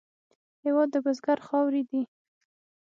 هېواد د بزګر خاورې دي.